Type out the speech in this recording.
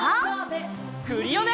クリオネ！